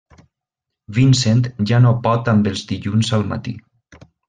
Vincent ja no pot amb els dilluns al matí!